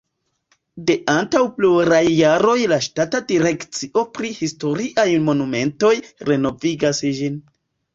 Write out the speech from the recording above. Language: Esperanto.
De antaŭ pluraj jaroj la ŝtata direkcio pri historiaj monumentoj renovigas ĝin.